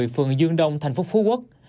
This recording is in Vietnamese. phường dương đông tp phú quốc